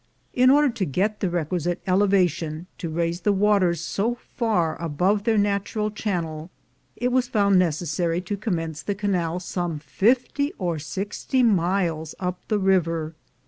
In order to get the requisite ele vation to raise the waters so far above their natural channel, it was found necessary to commence the canal som>e fifty or sixty miles up the river.